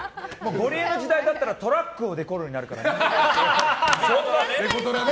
ゴリエの時代だったらトラックをデコるになるから。